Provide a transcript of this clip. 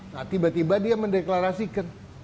nah tiba tiba dia mendeklarasikan